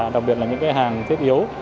đặc biệt là những cái hàng thiết yếu